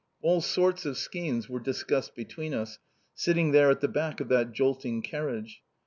All sorts of schemes were discussed between us, sitting there at the back of that jolting carriage.